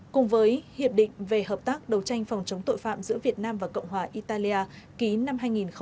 cùng với hiệp định về hợp tác đầu tranh phòng chống tội phạm giữa việt nam và cộng hòa italia ký năm hai nghìn một mươi năm